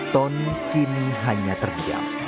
tony kini hanya terdiam